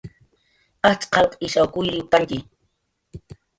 Ajtz' qalq ishaw kuyriwktantxi